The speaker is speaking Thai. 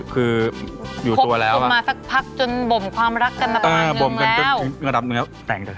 ครบคลุมมาพักจนบ่มความรักกันมาคำนึงแล้ว